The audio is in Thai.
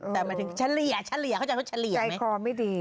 แต่หมายถึงเฉลี่ยเฉลี่ยเข้าใจว่าเฉลี่ยไหม